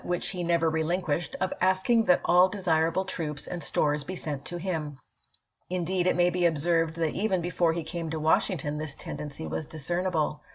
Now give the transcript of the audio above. p. 7. which he never relinquished, of asking that all de sirable troops and stores be sent to him. Indeed, it may be observed that even before he came to Washington this tendency was discernible.